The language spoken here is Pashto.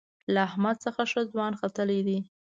له احمد څخه ښه ځوان ختلی دی.